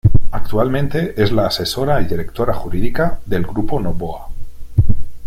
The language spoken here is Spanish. Actualmente es la asesora y directora jurídica del Grupo Noboa.